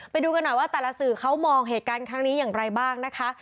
ไปดูกันหน่อยว่าแต่ละสื่อเขามองเหตุการณ์ครั้งนี้อย่างไรบ้างนะคะ